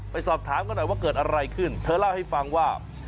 ไปสอบถามกันหน่อยว่าเกิดอะไรขึ้นเธอเล่าให้ฟังว่า